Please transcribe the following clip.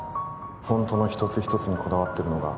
フォントの一つ一つにこだわってるのが